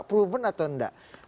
proven atau tidak